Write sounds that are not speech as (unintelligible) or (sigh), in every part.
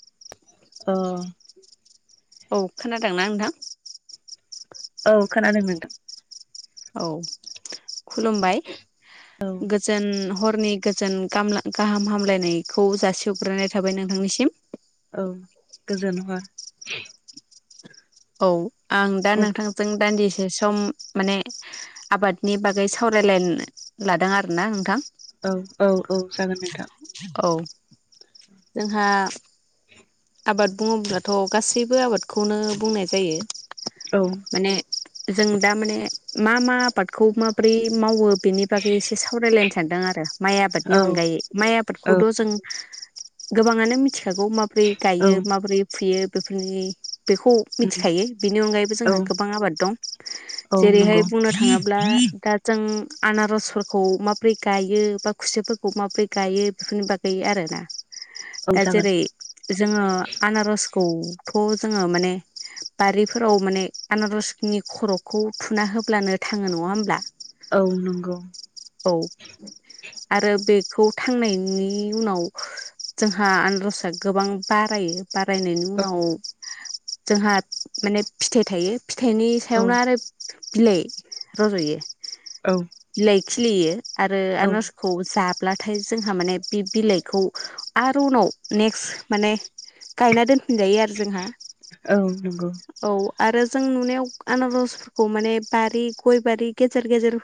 औ औ खोनादोंना नोंथां? औ खोनानादों नोंथां। औ खुलुमबाय औ गोजोन ह फोरनि गोजोन गामला गाहाम हामलायनायखौ जासिहग्रोनाय थाबाय नोंथांनिसिम। औ गोजोन हर औ आं दा नोंथांजों दान्दिस से सम माने आबादनि बागै सावरायलायनो लादों आरोना नोंथां। औ औ औ जागोन नोंथां। औ जोंहा (inaudible) आबाद बुङोब्लाथ' गासैबो आबादखौनो बुंनाय जायो। औ माने जों दा माने मा मा आबादखौ माब्रै मावो बेनि बागै एसे सावरायलायनो सानदों आरो माइ आबादनि औ अनगायै माइ औ आबादखौथ' जों गोबाङानो मिथ थिखागौ माबोरै औ गायो माबोरै फुयो? बेफोरनि बेखौ मिथिखायो बिनि अनगायैबो औ जोंहा गोबां आबाद दं औ जेरैहाय नंगौ बुंनो थाङोब्ला दा जों आनार'सफोरखौ माबरै गायो बा खुसेयाफोरखौ माबरै गायो बेफोरनि बागै आरोना। औ दा जागोन जेरै जोङो आनार'स खौ थ' जोङो माने बारिफोराव माने आनार'सनि खर'खौ थुना होब्लानो थाङो नङा होमब्ला? औ नंगौ औ आरो बे खौ थांनायनि उनाव जोंहा आनार'सआ गोबां बारायो। बारायनायनि औ उनाव जोंहाद माने फिथाइ थायो। फिथाइनि औ सायावनो आरो बिलाइ रज'यो। औ बिलाइ खिलियो आरो औ आनार'सखौ जा ब्लाथाय जोंहा माने बि बिलाइखौ आरो उनाव नेक्स्ट माने गायना दोनफिनजायो आरो जोंहा। औ नोंगौ। औ आरो जों नुनायाव आनार'सखौ माने बारि गय बारि गेजेर गेजेर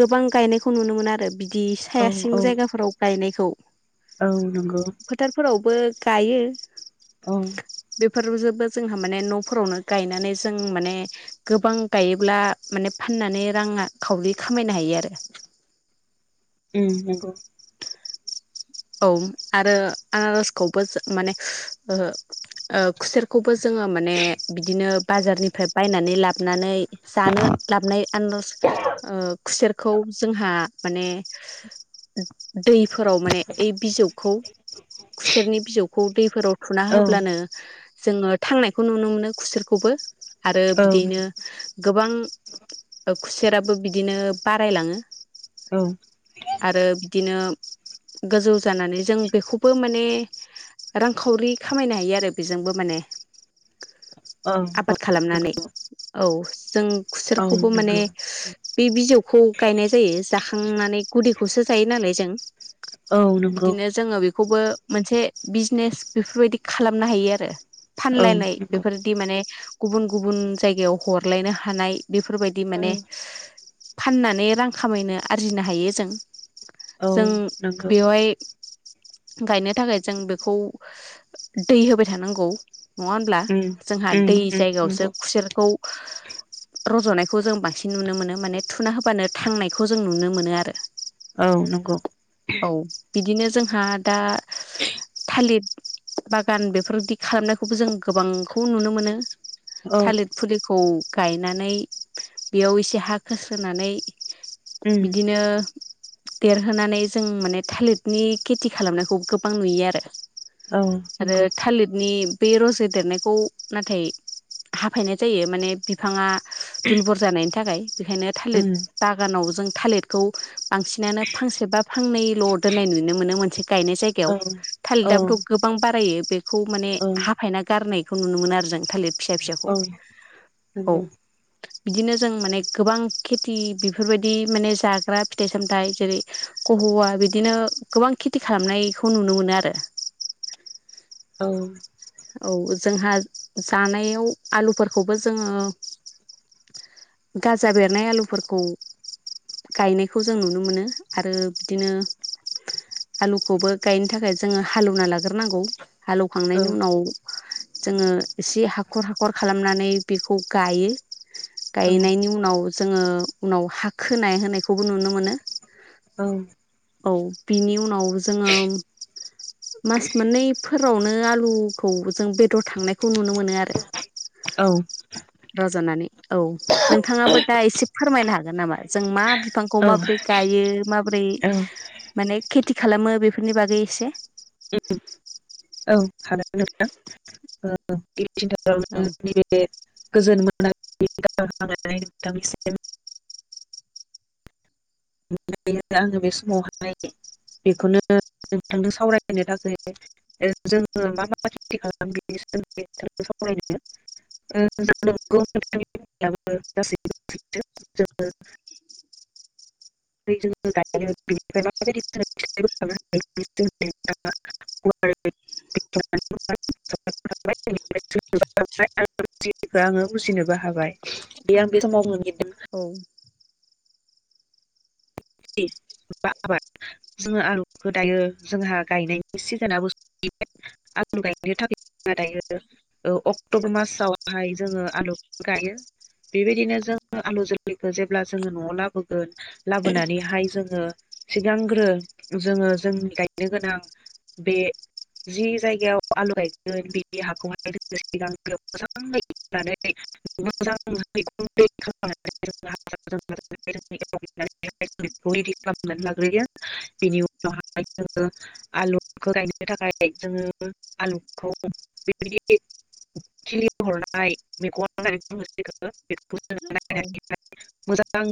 गोबां गायनायखौ नुनो मोनो आरो बिदि। बि औ साया सिं औ जायगाफोराव गायनाय सौ औ नंगौ बो गायो ओं बेफोरबो जोबोद जोंहा माने न'फोरावनो गायनानै जों माने गोबां गायोब्ला माने फाननानै राङा खावरि खामायनो हायो आरो औ आरो आनारसखौबो जों माने ओ ओ खुसेरखौबो जोङो माने बिदिनो बाजारनिफ्राय बायनानै लाबनानै जानो लाबाय आनारस ओ खुसेरखौ जोंहा माने दैफोराव माने ओइ बिजौखौ खुसेरनि बिजौ खौ दैफोराव थुना औ होब्लानो जोङो थांनायखौ नुनो मोनो खुसेरखौबो आरो बिदिनो गोबां खुसेराबो बिदिनो बारायलाङो औ आरो दिनो गोजौ जानानै जों बेखौबो माने रांखावरि खामायनो हायो आरो बेजोंबो माने औ आबाद नंगौ खालामनानै औ जों औ खुसेरखौबो माने नंगौ औ नंगौ बे बिजौखौ गायनाय जायो जाखांनानै गुदि खौसो जायो नालाय जों औ नंगौ बिदिनो जोङो बे खौबो मोनसे बिजनेस बेफोरबायदि खालामनो हायो आरो औ फानलायनाय बेफोरदि माने गुबुन गुबुन जायगायाव हरलायनो हानाय बेफोरबायदि औ माने फाननानै रां खामायनो आरजिनो हायो जों जों नंगौ बेवहाय गायनो थाखाय जों बेखौ दै होबाय थानांगौ नङा होमब्ला जोंहा दै जायगायावसो नंगौ खुसेरखौ रज'नायखौ जों बांसिन नुनो मोनो माने थुना होबानो थांनायखौ जों नुनो मोनो आरो औ नंगौ औ बिदिनो जोंहा दा थालित बागान बेफोरबायदि खालामनायखौबो जों गोबांखौ नुनो मोनो। औ थालित फुलि खौ गायनानै बेयाव एसे हाखोस्रोनानै उम बिदिनो- देरहोनानै जों माने थालिरनि खेथि खालामनायखौ गोबां नुयो आरो। औ आरो नंगौ थालितनि बे रजे देरनायखौ नाथाय हाफायनाय जायो माने बिफाङा दुलबुर जानायनि थाखाय बेखायनो थालित उम बागानाव जों थालिरखौ बांसिनानो फांसे फांनैल' दोननाय नुनो मोनो मोनसे गायनाय जायगायाव औ औ थालिराबोथ' गोबां बारायो खौ माने औ हाफायना गारनाय बेखौ नुनो मोनो आरो जों। थालिर फिसा फिसाखौ औ औ। नंगौ बिदिनो जों माने गोबां खेथि बेफोरबायदि माने जाग्रा फिथाइ सामथाइ जेरै बिदिनो गोबां खेथि खालामनायखौ नुनो मोनो आरो। औ औ जोंहा जानायाव आलुफोरखौबो जोङो गाजा बेरनाय आलुफोरखौ गायनायखौ जों नुनो मोनो आरो बिदिनो आलुखौबो गायनो थाखाय जोङो हालेवना लाग्रोनांगौ। औ हालौखांनायनि। जोङो एसे हाखर हाखर खालामनानै बेखौ गायो। गायनायनि उनाव। जोङो उनाव हा खोनाय होनायखौबो नुनो मोनो। औ औ बिनि उनाव। जोङो मास मोननै। फ्रावनो आलु खौ जों बेदर थांनाय खौ नुनो मोनो आरो औ रज'नानै औ नोंथाङाबो दा एसे फोरमायनो हागोन नामा जों मा बिफांखौ माबोरै गायो माबोरै औ माने खेथि खालामो बेफोरनि बागै एसे औ हागोन नोंथां औ। औ (unintelligible) गोजोन मोन (unintelligible) निखनो आङो बे समावहाय बेखौनो नोंथांजों सावरायनो थाखाय जोङो मा मा खेथि खालाम बेनि सोमोन्दै सावरायनो ज नासै ज (unintelligible) औ (unintelligible) बा आबाद जोंङो आलुखौ दायो जोंहा गायनायनि सिजोनाबो सबाय आलु गायनो थाखाय जोंहा दायो अक्ट'बर मासावहाय जोंङो आलु गायो बेबायदिनो जोंङो आलु जोलैखौ जेब्ला जोंङो न'आव लाबोगोन लाबोनानै हाय जोंङो सिगांग्रो जोङो जोंनि गायनो गोनां बे जि जायगायाव आलु गायगोन बिनि हाखौहाय जो सिगांग्रो मोजाङै मोजां मैग दै खालामनानै (unintelligible) बेखौ रेडि खालामनानै लाग्रोयो बेनि उनावहाय जोंङो आलुखौ गायनो थाखाय जोंङो आलुखौ बेबायदि खिलि हरनाय औ मैगं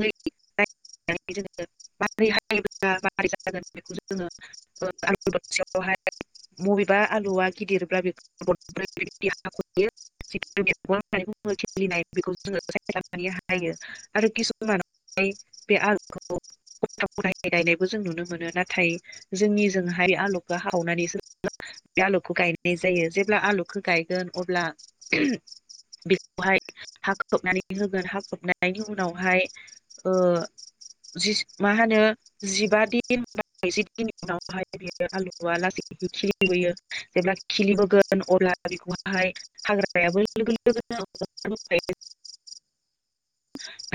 (unintelligible) (unintelligible) (unintelligible) गायनायबो जों नुनो मोनो नाथाय जोंनिजोंहाय आलुखौ हावनानैसो बे आलौखौ गायनाय जायो जेब्ला आलुखौ गायगोन अब्ला बेखौहाय हा खोबनानै होगोन हा खोबनायनि उनावहाय ओ जि मा होनो जिबा दिन जि दिननि उनावहाय बे आलुखौआ लासैै खिलिबोयो जेब्ला खिलिबोगोन अब्ला बेखौहहाय हाग्रायाबो लोगो लोगोन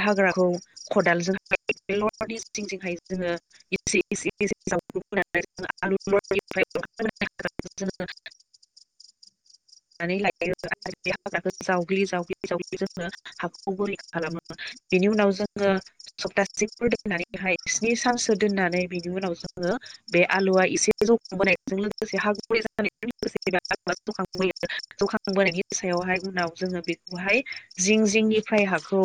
हाग्राखौ खदालजों (unintelligible) सप्तासेफोर दोननानैहाय स्नि सानसो दोननानै बेनि उनाव जोङो बे आलुआ एसे जखांबोनायजों लोगोसे हा गुरि ज लोगोसे आलु जखांयो जखांबोनायनि सायावहाय उनाव जोङो बेखौहाय जिं जिंनिफ्राय हाखौ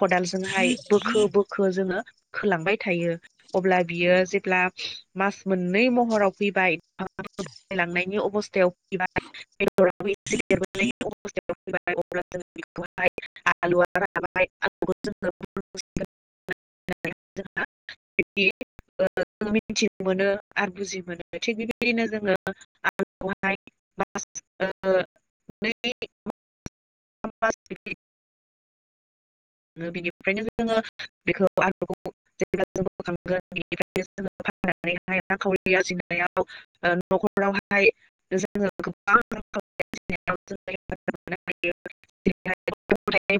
खदालजोंहाय बोखो बो जोंङो खोलांबाय थायो अब्ला बियो जेब्ला मास मोननै महराव फैबाय बायलांनायनि अबस्थायाव फैबाय बेदर एथायाव फैबाय अब्ला ज बेखौहाय आलुआ राबाय (unintelligible) जों मिथिनो मोनो आरो बुजि मोनो थिग बेबायदिनो जोंङो आलुखौ हाय (unintelligible) (unintelligible) (unintelligible)